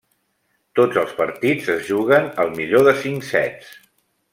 Tots els partits es juguen al millor de cinc sets.